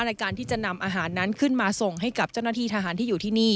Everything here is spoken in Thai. ในการที่จะนำอาหารนั้นขึ้นมาส่งให้กับเจ้าหน้าที่ทหารที่อยู่ที่นี่